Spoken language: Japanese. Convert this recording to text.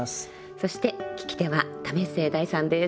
そして聞き手は為末大さんです。